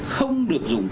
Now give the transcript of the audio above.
không được dùng